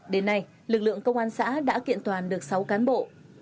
đến nay lực lượng công an xã đã kiện toàn được sáu cán bộ